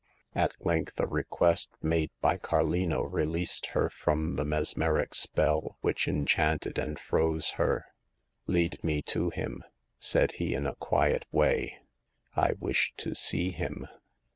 At length a request made by Carlino released her from the mesmeric spell which enchanted and froze her. Lead me to him," said he, in a quiet way. " I wish to see him."